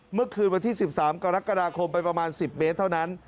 เมื่อคืนวันที่๑๓กรกฎาคมไปประมาณ๑๐เมตรเท่านั้น